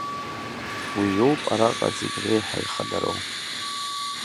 Уи иоуп араҟа зегьы реиҳа ихадароу.